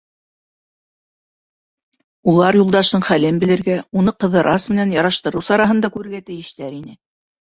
Улар Юлдаштың хәлен белергә, уны Ҡыҙырас менән яраштырыу сараһын да күрергә тейештәр ине.